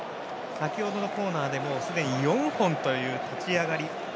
先程のコーナーですでに４本という立ち上がり。